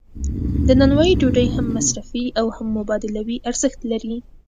د نانوایی ډوډۍ هم مصرفي او هم مبادلوي ارزښت لري.